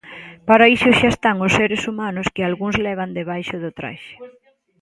Para iso xa están os seres humanos que algúns levan debaixo do traxe.